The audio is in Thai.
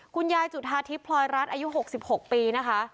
คุณยายจุธาทิพย์พลอยรัฐอายุ๖๖ปีนะคะ